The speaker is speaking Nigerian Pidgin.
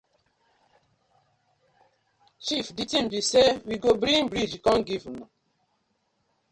Chief di tin bi say we go bring bridge kom giv una.